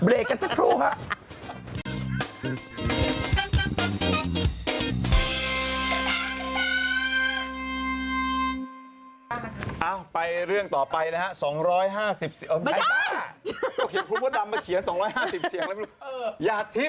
ลงรูปรูปรูปอวดช่อดอกไม้